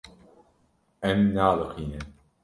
Em nealiqîne.